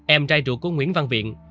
em trai ruột của nguyễn văn viện